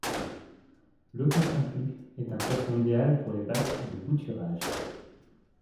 L'otocinclus est un poisson idéal pour les bacs de bouturage.